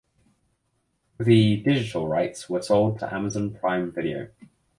The digital rights were sold to Amazon Prime Video.